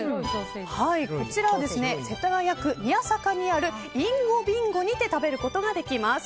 こちらは、世田谷区宮坂にあるインゴビンゴにて食べることができます。